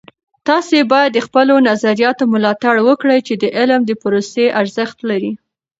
تاسې باید د خپلو نظریاتو ملاتړ وکړئ چې د علم د پروسې ارزښت لري.